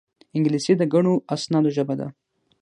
انګلیسي د ګڼو اسنادو ژبه ده